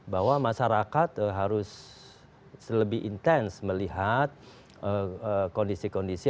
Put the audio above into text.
bahwa masyarakat harus lebih intens melihat kondisi kondisi